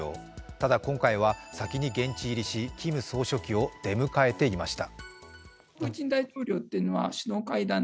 ただ今回は先に現地入りし、キム総書記を出迎えていました。